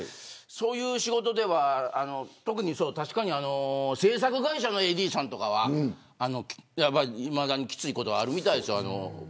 そういう仕事では確かに制作会社のＡＤさんとかはいまだに、きついことはあるみたいですよ。